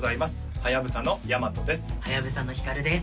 はやぶさのヤマトです